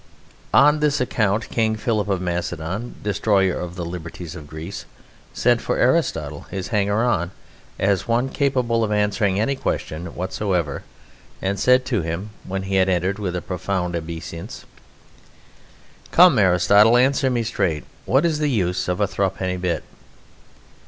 On this account King Philip of Macedon, destroyer of the liberties of Greece, sent for Aristotle, his hanger on, as one capable of answering any question whatsoever, and said to him (when he had entered with a profound obeisance): "Come, Aristotle, answer me straight; what is the use of a thruppenny bit?"